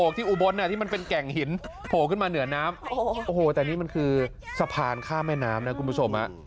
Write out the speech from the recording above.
ที่อุบลที่มันเป็นแก่งหินโผล่ขึ้นมาเหนือน้ำโอ้โหแต่นี่มันคือสะพานข้ามแม่น้ำนะคุณผู้ชม